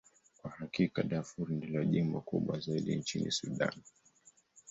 Kwa hakika, Darfur ndilo jimbo kubwa zaidi nchini Sudan.